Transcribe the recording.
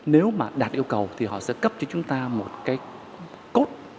nếu mà đạt yêu cầu thì họ sẽ cấp cho chúng ta một cái cốt